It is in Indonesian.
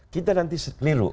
kita nanti seliru